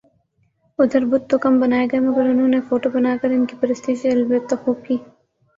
ادھر بت تو کم بنائےگئے مگر انہوں نے فوٹو بنا کر انکی پرستش البتہ خو ب کی